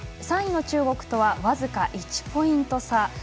３位の中国とはわずか１ポイント差。